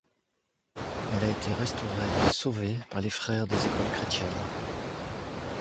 Elle a été restaurée et sauvée par les frères des écoles chrétiennes.